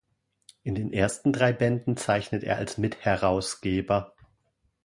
In den ersten drei Bänden zeichnet er als Mitherausgeber.